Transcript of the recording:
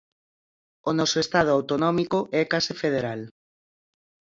O noso Estado autonómico é case federal.